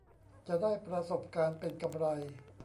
จะได้ประสบการณ์เป็นกำไร